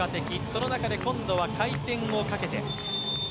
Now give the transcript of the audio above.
その中で今度は回転をかけて。